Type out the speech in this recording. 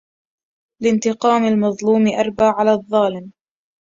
لانتقام المظلوم أربى على الظالم